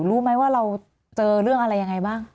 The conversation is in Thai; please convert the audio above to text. รู้ไหมว่าเราเจอเรื่องอะไรยังไงบ้าง